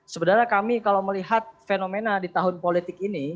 sebenarnya kami kalau melihat fenomena di tahun politik ini